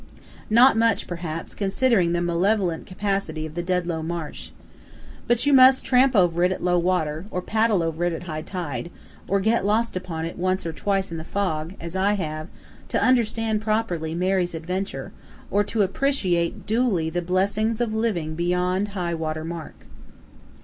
Not much, perhaps, considering the malevolent capacity of the Dedlow Marsh. But you must tramp over it at low water, or paddle over it at high tide, or get lost upon it once or twice in the fog, as I have, to understand properly Mary's adventure, or to appreciate duly the blessings of living beyond High Water Mark.